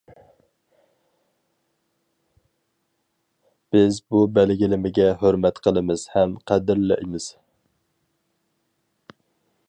بىز بۇ بەلگىلىمىگە ھۆرمەت قىلىمىز ھەم قەدىرلەيمىز.